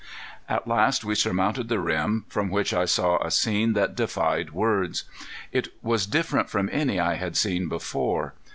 At last we surmounted the rim, from which I saw a scene that defied words. It was different from any I had seen before.